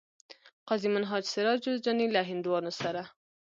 قاضي منهاج سراج جوزجاني له هندوانو سره